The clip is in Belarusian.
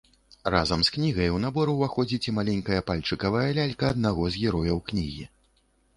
Разам з кнігай у набор уваходзіць і маленькая пальчыкавая лялька аднаго з герояў кнігі.